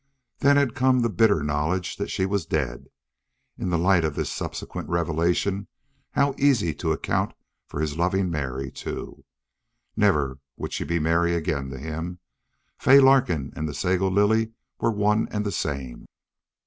Then had come the bitter knowledge that she was dead. In the light of this subsequent revelation how easy to account for his loving Mary, too. Never would she be Mary again to him! Fay Larkin and the Sago Lily were one and the same.